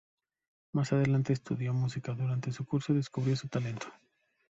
Más adelante estudió música, durante su curso descubrió su talento.